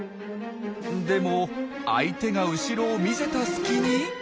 でも相手が後ろを見せた隙に。